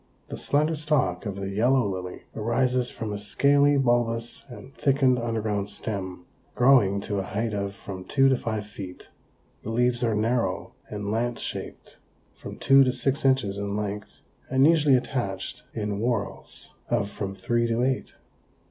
The slender stalk of the Yellow Lily arises from a scaly bulbous and thickened underground stem, growing to a height of from two to five feet. The leaves are narrow and lance shaped, from two to six inches in length and usually attached in whorls of from three to eight.